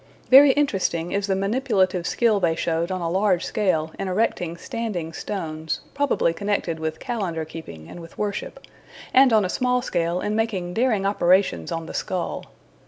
Very interesting is the manipulative skill they showed on a large scale in erecting standing stones (probably connected with calendar keeping and with worship), and on a small scale in making daring operations on the skull.